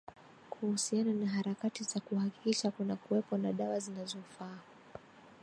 kuhusiana na harakati za kuhakikisha kunakuwepo na dawa zinazofaa